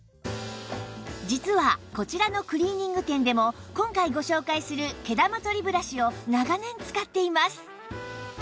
実はこちらのクリーニング店でも今回ご紹介する毛玉取りブラシを長年使っています